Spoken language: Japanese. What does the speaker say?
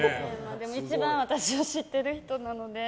一番私を知ってる人なので。